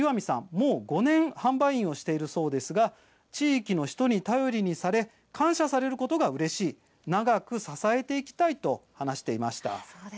もう５年販売員をしているそうですが地域の人に頼りにされ感謝されることがうれしい長く支えていきたいと話していました。